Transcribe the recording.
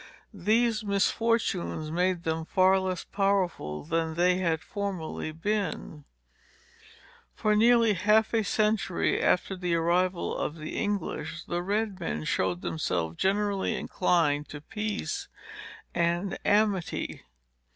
These misfortunes made them far less powerful than they had formerly been. For nearly half a century after the arrival of the English, the red men showed themselves generally inclined to peace and amity.